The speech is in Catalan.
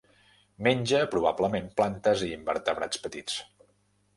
Menja probablement plantes i invertebrats petits.